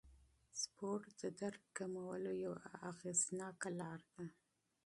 سپورت د درد کمولو یوه موثره لاره ده.